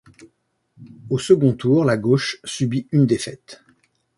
Au second tour, la gauche subit une défaite.